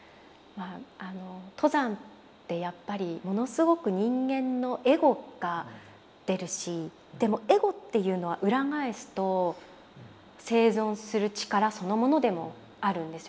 登山ってやっぱりものすごく人間のエゴが出るしでもエゴっていうのは裏返すと生存する力そのものでもあるんですよ。